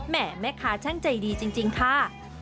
แม่ค้าช่างใจดีจริงค่ะ